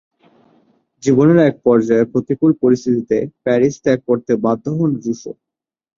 জীবনের এক পর্যায়ে প্রতিকূল পরিস্থিতিতে প্যারিস ত্যাগ করতে বাধ্য হন রুসো।